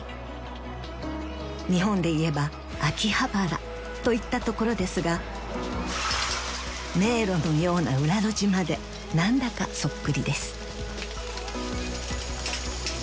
［日本で言えば秋葉原といったところですが迷路のような裏路地まで何だかそっくりです］